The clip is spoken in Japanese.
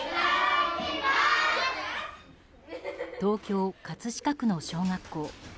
東京・葛飾区の小学校。